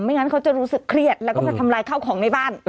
งั้นเขาจะรู้สึกเครียดแล้วก็มาทำลายข้าวของในบ้าน